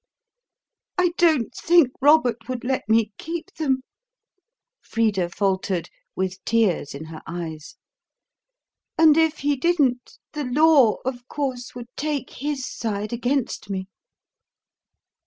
"I don't think Robert would let me keep them," Frida faltered, with tears in her eyes; "and if he didn't, the law, of course, would take his side against me."